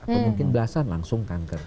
atau mungkin belasan langsung kanker